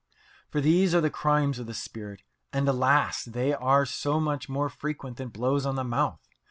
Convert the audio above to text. For these are the crimes of the spirit, and, alas! they are so much more frequent than blows on the mouth.